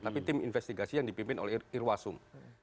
tapi tim investigasi yang dipimpin oleh irwasum